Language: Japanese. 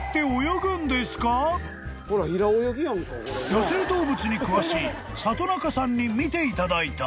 ［野生動物に詳しい里中さんに見ていただいた］